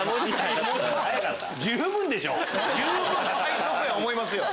十分最速や思いますよ。